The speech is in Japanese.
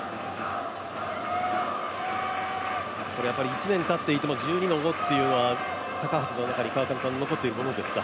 １年たっていても１２の５というのは高橋の中に残っているものですか？